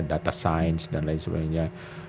data sains dan lain sebagainya